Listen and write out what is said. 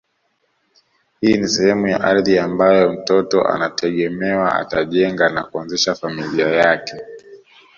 Hii ni sehemu ya ardhi ambayo mtoto anategemewa atajenga na kuanzisha familia yake